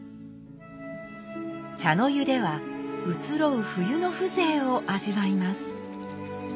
茶の湯では移ろう冬の風情を味わいます。